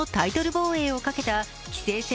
防衛をかけた棋聖戦